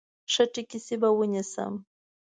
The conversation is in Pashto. ښه ټیکسي به ونیسم.